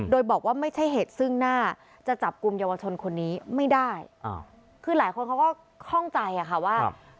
โดยบอกว่าไม่ใช่เหตุซึ่งหน้าจะจับกลุ่มเยาวชนคนนี้ไม่ได้คือหลายคนเขาก็คล่องใจอะค่ะว่า